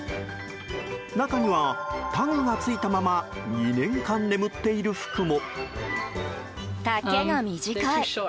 中には、タグが付いたまま２年間眠っている服も。